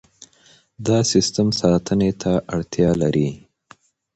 دا سیستم ساتنې ته اړتیا لري.